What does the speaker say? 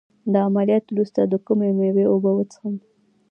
د عملیات وروسته د کومې میوې اوبه وڅښم؟